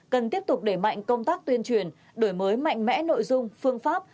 cần tiếp tục đẩy mạnh công tác tuyên truyền đổi mới mạnh mẽ nội dung phương pháp